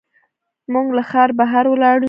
موږ له ښار بهر ولاړ یو.